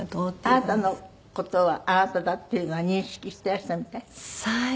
あなたの事はあなただっていうのは認識してらしたみたい？